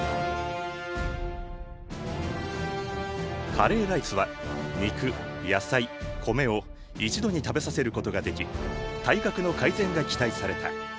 カレーライスは肉野菜米を一度に食べさせることができ体格の改善が期待された。